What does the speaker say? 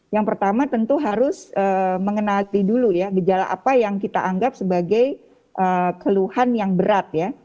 yang pertama tentu harus mengenali dulu ya gejala apa yang kita anggap sebagai keluhan yang berat ya